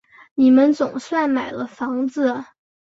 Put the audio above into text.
你们总算买了房子